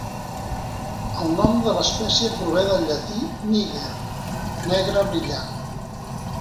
El nom de l'espècie prové del llatí "niger", "negre brillant".